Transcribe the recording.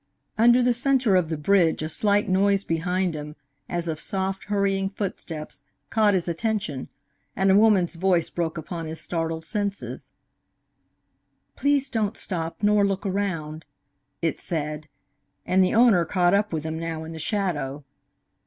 Under the centre of the bridge a slight noise behind him, as of soft, hurrying footsteps, caught his attention, and a woman's voice broke upon his startled senses. "Please don't stop, nor look around," it said, and the owner caught up with him now in the shadow.